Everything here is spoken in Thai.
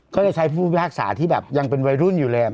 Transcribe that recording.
ก็เลยใช้ผู้พิพากษาที่แบบยังเป็นวัยรุ่นอยู่เลย